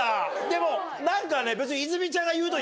でも何かね。